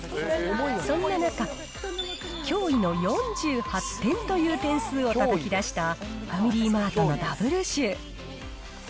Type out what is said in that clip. そんな中、驚異の４８点という点数をたたき出した、ファミリーマートのダブルシュー。